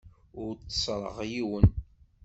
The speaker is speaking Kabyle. Ur tteṣṣreɣ yiwen.